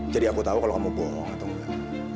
jadi aku tau kalau kamu bohong atau enggak